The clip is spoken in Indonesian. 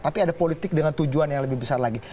tapi ada politik dengan tujuan yang lebih besar lagi